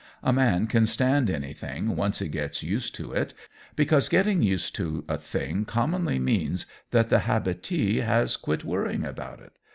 A man can stand anything once he gets used to it because getting used to a thing commonly means that the habitee has quit worrying about it.